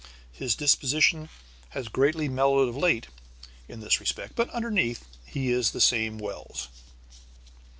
His disposition has greatly mellowed of late, in this respect, but underneath he is the same Wells.